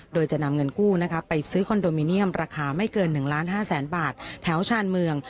โดยจะนำเงินกู้ไปซื้อคอนโดมิเนียมราคาไม่เกิน๑ล้าน๕แสนบาทแถวชาญเมือง